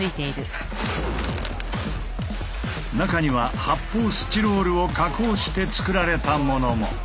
中には発泡スチロールを加工して作られたものも。